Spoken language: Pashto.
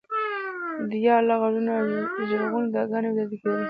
د یا الله غږونه او ژړغونې دعاګانې اورېدل کېدلې.